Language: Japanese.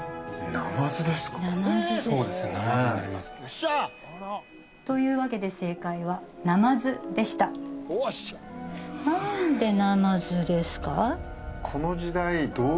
ナマズになりますねというわけで正解は「ナマズ」でした何でナマズですか？